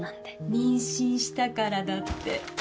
妊娠したからだって。